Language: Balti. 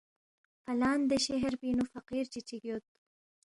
فلان دے شہر پِنگ نُو فقیر چی چِک یود